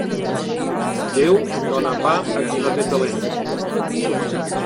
Déu dóna pa a qui no té talent.